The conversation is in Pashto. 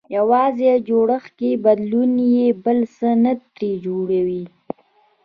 يوازې جوړښت کې بدلون يې بل څه نه ترې جوړوي.